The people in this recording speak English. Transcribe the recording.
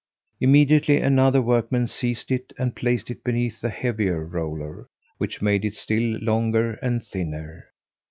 Immediately another workman seized it and placed it beneath a heavier roller, which made it still longer and thinner.